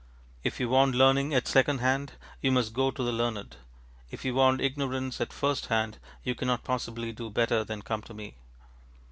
If you want learning at secondhand you must go to the learned: if you want ignorance at first hand you cannot possibly do better than come to me.